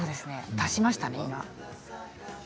足しましたね。